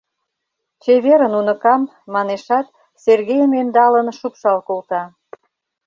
— Чеверын, уныкам! — манешат, Сергейым ӧндалын шупшал колта.